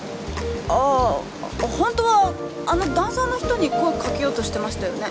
あぁホントはあのダンサーの人に声かけようとしてましたよね？